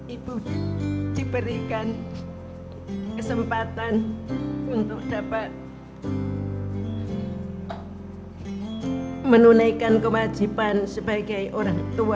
ibu diberikan kesempatan untuk dapat menunaikan kewajiban sebagai orang tua